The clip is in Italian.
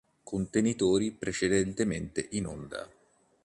Contenitori precedentemente in onda